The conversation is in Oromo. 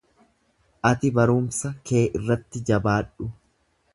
Ati barumsa kee irratti jabaadhu.